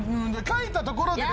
書いたところで。